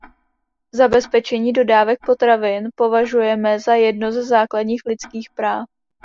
Zabezpečení dodávek potravin považujeme za jedno ze základních lidských práv.